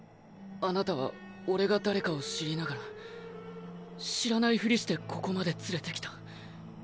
あなたはオレが誰かを知りながら知らないフリしてここまで連れてきた。